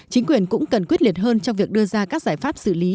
chính quyền cũng cần quyết liệt hơn trong việc đưa ra các giải pháp xử lý